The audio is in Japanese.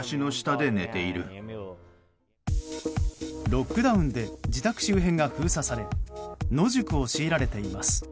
ロックダウンで自宅周辺が封鎖され野宿を強いられています。